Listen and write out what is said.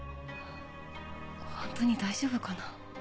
ホントに大丈夫かな。